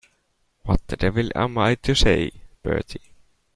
What the devil am I to say, Bertie?